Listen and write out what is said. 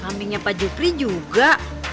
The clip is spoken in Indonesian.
kambingnya pak jukri juga